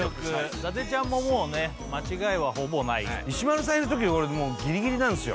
伊達ちゃんももうね間違いはほぼない石丸さんいる時俺もうギリギリなんすよ